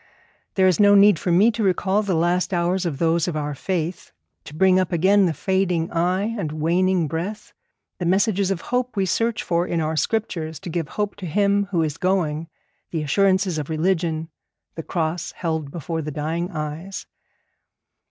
There is no need for me to recall the last hours of those of our faith, to bring up again the fading eye and waning breath, the messages of hope we search for in our Scriptures to give hope to him who is going, the assurances of religion, the cross held before the dying eyes.